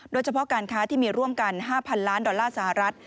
โดยเฉพาะการค้าที่มีร่วมกัน๕๐๐ล้านดอลลาร์สหรัฐ